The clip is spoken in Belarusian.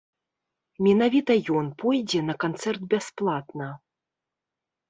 Менавіта ён пойдзе на канцэрт бясплатна.